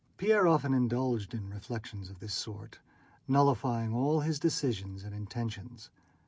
Pierre often indulged in reflections of this sort, nullifying all his decisions and intentions.